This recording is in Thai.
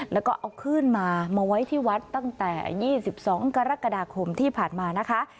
แล้วก็เอาขึ้นมามาไว้ที่วัดตั้งแต่๒๒กรกฎาคมที่ผ่านมานะคะ